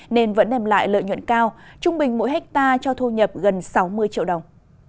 nên vẫn nèm lại lợi nhuận cao trung bình mỗi hectare cho thu nhập gần sáu mươi triệu đồng